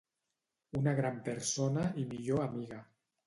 Una gran persona i millor amiga